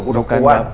gue udah puan